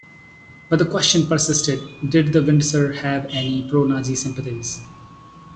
But the question persisted: did the Windsors have any pro-Nazi sympathies?